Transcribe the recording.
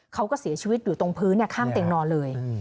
เขาก็เสียชีวิตอยู่ตรงพื้นข้างเตียงนอนเลย